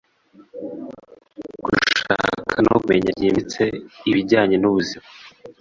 gushaka no kumenya byimbitse ibijyanye n’ubuzima